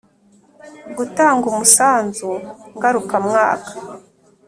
Gutanga umusanzu ngarukamwaka